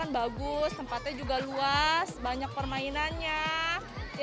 terus di sini ada juga kursus kursus